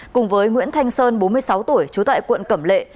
cùng với nguyễn thanh sơn bốn mươi sáu tuổi trú tại quận cẩm lệ